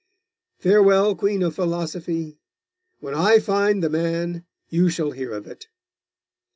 Farewell, Queen of Philosophy! When I find the man, you shall hear of it.